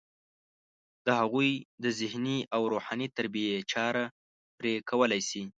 د هغوی د ذهني او روحاني تربیې چاره پرې کولی شي.